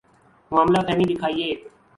معاملہ فہمی دکھائیے۔